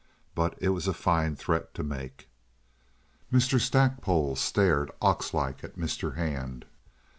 But it was a fine threat to make. Mr. Stackpole stared ox like at Mr. Hand.